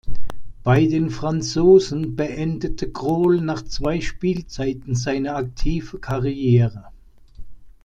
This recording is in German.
Bei den Franzosen beendete Krol nach zwei Spielzeiten seine aktive Karriere.